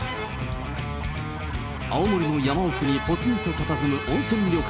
青森の山奥にぽつんとたたずむ温泉旅館。